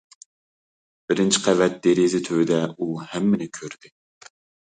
بىرىنچى قەۋەت دېرىزە تۈۋىدە ئۇ ھەممىنى كۆردى.